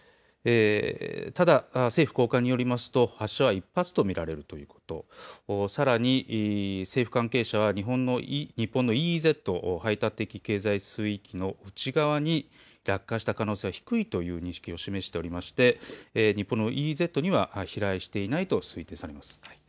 ただ、政府高官によると発射は１発と見られるということ、さらに政府関係者が日本のＥＥＺ・排他的経済水域の内側に落下した可能性は低いという認識を示しておりましてＥＥＺには飛来していないと推定されます。